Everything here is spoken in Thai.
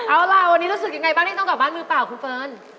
เอาล่ะวันนี้รู้สึกยังไงบ้างที่ต้องกลับบ้านมือเปล่าคุณเฟิร์น